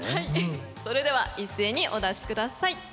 それでは一斉にお出し下さい。